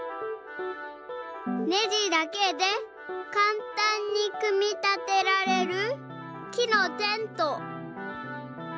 ねじだけでかんたんに組み立てられる木のテント。